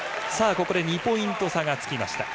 ２ポイント差がつきました。